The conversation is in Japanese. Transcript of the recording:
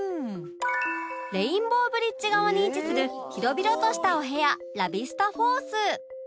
レインボーブリッジ側に位置する広々としたお部屋ラビスタフォース